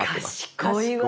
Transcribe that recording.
賢い。